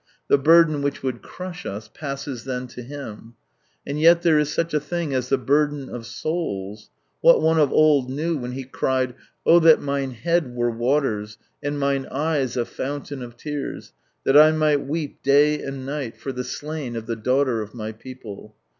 The burden which would crush us, passes then to Him, And yet there is such a thing as the burden of souls. What one of old knew, when he cried, —" that mine head were waters, and mine eyes a fountain of tears, that I might weep day and 104 From Sunrise Land night for the slain of the daughter of my people."